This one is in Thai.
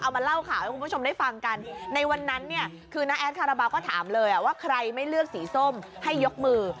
เพราะฉะนั้นเนี่ยคือน้าแอดคาราบาลก็ถามเลยว่าใครไม่เลือกสีส้มให้ยกมือ